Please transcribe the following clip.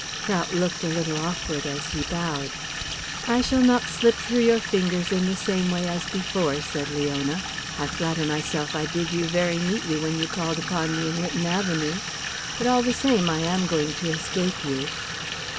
Prout looked a little awkward as he bowed. "I shall not slip through your fingers in the same way as before," said Leona. "I flatter myself I did you very neatly when you called upon me in Lytton Avenue. But all the same I am going to escape you."